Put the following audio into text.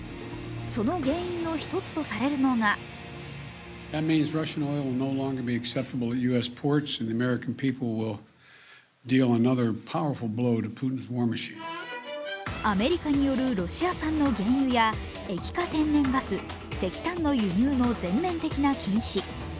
その原因の一つとされるのがアメリカによるロシア産の原油や液化天然ガス、石炭の輸入の全面的な禁止。